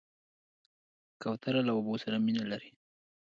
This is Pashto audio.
کوتره له اوبو سره مینه لري.